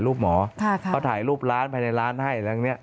เรียกว่ารอไห้